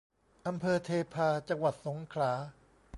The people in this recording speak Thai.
อำเภอเทพา จังหวัดสงขลา